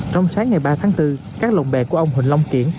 trong sáng ngày ba tháng bốn các lồng bè của ông huỳnh long kiển